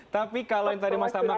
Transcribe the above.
tapi kalau yang tadi mas tama